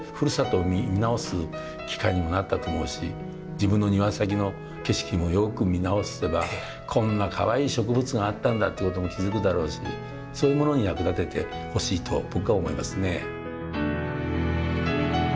自分の庭先の景色もよく見直せばこんなかわいい植物があったんだっていうことも気付くだろうしそういうものに役立ててほしいと僕は思いますね。